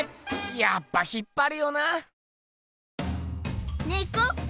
やっぱ引っぱるよな。